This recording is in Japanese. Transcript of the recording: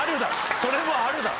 それもあるだろ。